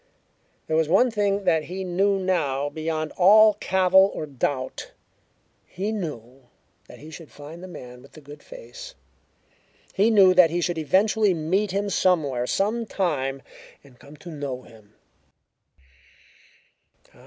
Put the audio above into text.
There was one thing that he knew now beyond all cavil or doubt: he knew that he should find the man with the good face. He knew that he should eventually meet him somewhere, sometime, and come to know him.